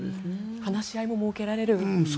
話し合いも設けられるんですね。